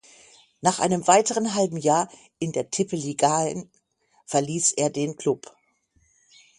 Nach einem weiteren halben Jahr in der Tippeligaen verließ er den Klub.